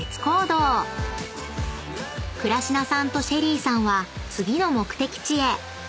［倉科さんとＳＨＥＬＬＹさんは次の目的地へ］